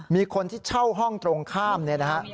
มีคนที่เช่าห้องตรงข้ามเนี่ยนะฮะ